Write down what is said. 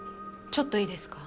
ちょっといいですか？